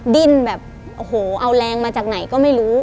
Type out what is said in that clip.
ดิ้นแบบโอ้โหเอาแรงมาจากไหนก็ไม่รู้